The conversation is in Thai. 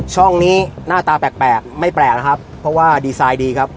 ช่องนี้หน้าตาแปลกไม่แปลกนะครับเพราะว่าดีไซน์ดีครับ